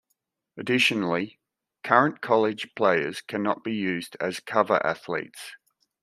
Additionally, current college players cannot be used as cover athletes.